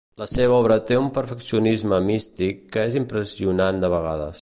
La seva obra té un "perfeccionisme" místic que és impressionant de vegades.